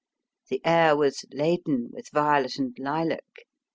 The air was laden with violet and lilac.